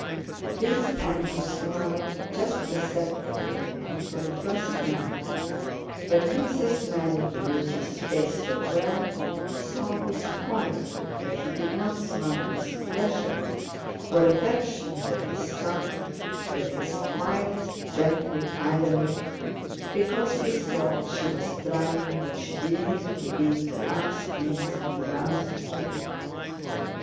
Prince Andrew smiled just perceptibly and for the first time, but Princess Mary, who knew his face so well, saw with horror that he did not smile with pleasure or affection for his son, but with quiet, gentle irony because he thought she was trying what she believed to be the last means of arousing him.